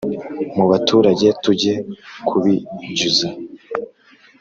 mu baturage tujye kubijyuza